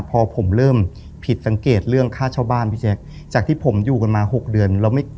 พอผมเริ่มผิดสังเกตเรื่องค่าเช่าบ้านพี่แจ๊คจากที่ผมอยู่กันมาหกเดือนแล้วไม่